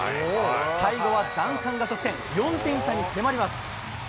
最後はダンカンが得点、４点差に迫ります。